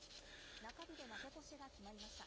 中日で負け越しが決まりました。